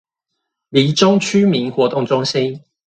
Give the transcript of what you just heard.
黎忠區民活動中心